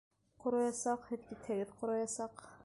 Ҡороясаҡ, һеҙ китһәгеҙ ҡороясаҡ.